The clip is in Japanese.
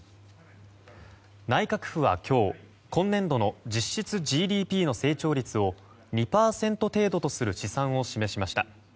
内閣府は今日、今年度の実質ＧＤＰの成長率を２％程度とする試算を示しました。